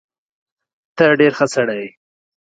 ته ډېر ښه سړی يې.